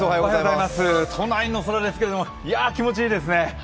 都内の空ですけど気持ちいいですね。